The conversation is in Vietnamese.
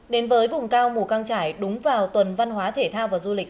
đến với vùng cao mù căng trải đúng vào tuần văn hóa thể thao và du lịch